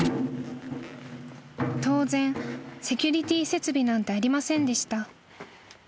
［当然セキュリティー設備なんてありませんでした］